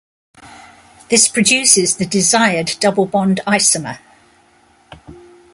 This produces the desired double bond isomer.